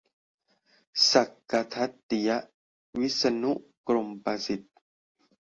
สักกะทัตติยะ วิษณุกรรมประสิทธิ์